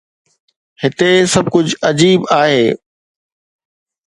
هتي سڀ ڪجهه عجيب آهي.